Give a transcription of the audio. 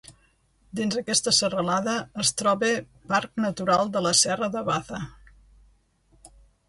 Dins aquesta serralada es troba Parc Natural de la Serra de Baza.